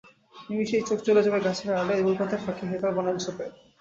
নিমেষেই চোখ চলে যাবে গাছের আড়ালে, গোলপাতার ফাঁকে, হেতাল বনের ঝোপে।